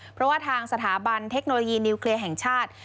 เพราะว่าทางสถาบันเทคโนโลยีนิวเคลียร์แห่งชาติ